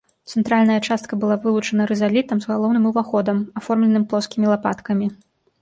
Цэнтральная частка была вылучана рызалітам з галоўным уваходам, аформленым плоскімі лапаткамі.